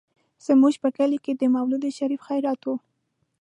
زموږ په کلي کې د مولود شريف خيرات و.